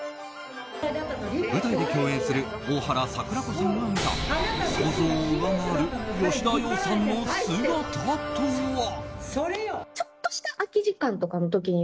舞台で共演する大原櫻子さんが見た想像を上回る吉田羊さんの姿とは。